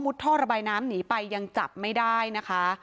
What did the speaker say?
ท่อระบายน้ำหนีไปยังจับไม่ได้นะคะ